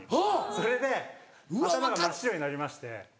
それで頭が真っ白になりまして。